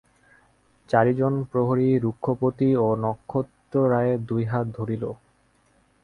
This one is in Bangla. চারিজন প্রহরী রঘুপতি ও নক্ষত্ররায়ের দুই হাত ধরিল।